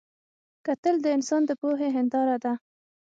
کتل د انسان د پوهې هنداره ده